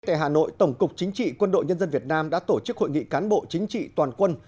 tại hà nội tổng cục chính trị quân đội nhân dân việt nam đã tổ chức hội nghị cán bộ chính trị toàn quân